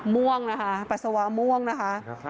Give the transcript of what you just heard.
ม่วงนะคะปัสสาวะม่วงนะคะ